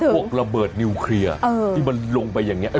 พวกระเบิดนิวเคลียร์ที่มันลงไปอย่างนี้